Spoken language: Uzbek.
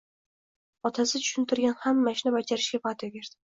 Otasi tushuntirgan hamma ishni bajarishga va`da berdi